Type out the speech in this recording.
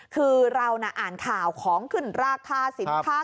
คือเราน่ะอ่านข่าวของขึ้นราคาสินค้า